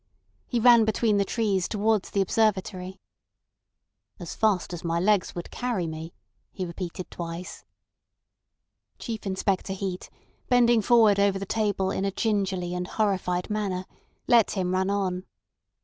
He ran between the trees towards the Observatory. "As fast as my legs would carry me," he repeated twice. Chief Inspector Heat, bending forward over the table in a gingerly and horrified manner, let him run on.